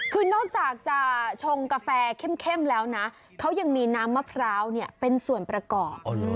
คือนอกจากจะชงกาแฟเข้มแล้วนะเขายังมีน้ำมะพร้าวเป็นส่วนประกอบ